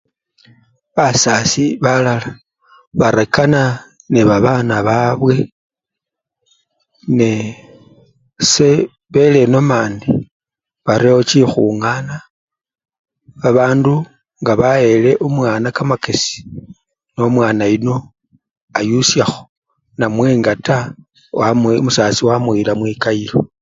Basasi balala barekana nebabana babwe nee ese bele enomandi barewo chikhungana, babandu ngabawele omwana kamakesi, nomwana yuno ayusyakho namwe nga taa wamu! omusasi wamuyila mwikayilo.